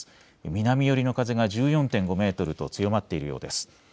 南寄りの風が１４．５メートルと強まっているようです。